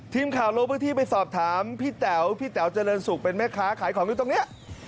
ทีมข่าวลงพื้นที่ไปสอบถามพี่แต๋วพี่แต๋วเจริญสุขเป็นแม่ค้าขายของอยู่ตรงนี้